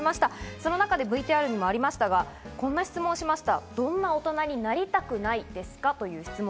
その中でＶＴＲにもありましたように、こんな質問をしました。